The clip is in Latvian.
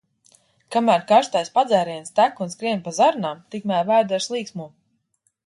Kamēr karstais padzēriens tek un skrien pa zarnām, tikmēr vēders līksmo.